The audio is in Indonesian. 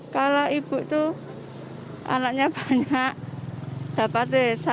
kalau ibu itu anaknya banyak dapatnya satu empat ratus sepuluh